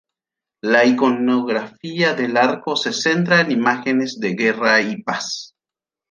La iconografía del arco se centra en imágenes de guerra y paz.